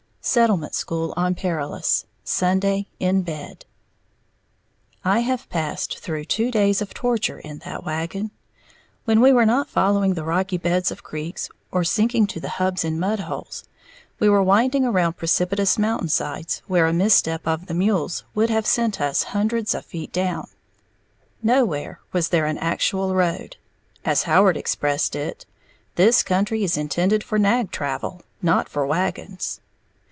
SETTLEMENT SCHOOL ON PERILOUS. Sunday, In Bed. I have passed through two days of torture in that wagon. When we were not following the rocky beds of creeks, or sinking to the hubs in mudholes, we were winding around precipitous mountainsides where a misstep of the mules would have sent us hundreds of feet down. Nowhere was there an actual road, as Howard expressed it, "This country is intended for nag travel, not for wagons."